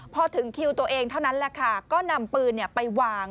พอถึงคิวตัวเองเท่านั้นแหละค่ะก็นำปืนไปวาง